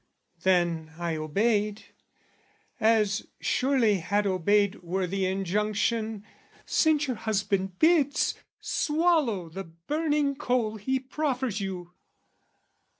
Then I obeyed, as surely had obeyed Were the injunction "Since your husband bids, "Swallow the burning coal he proffers you!"